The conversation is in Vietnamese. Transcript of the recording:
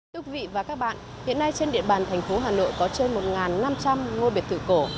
thưa quý vị và các bạn hiện nay trên địa bàn thành phố hà nội có trên một năm trăm linh ngôi biệt thự cổ